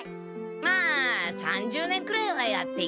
まあ３０年くらいはやっていけそうだな。